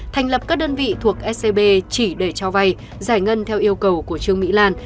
thành lập các đơn vị thuộc scb chỉ để cho vay giải ngân theo yêu cầu của trương mỹ lan